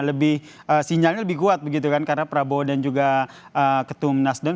lebih sinyalnya lebih kuat begitu kan karena prabowo dan juga ketum nasdem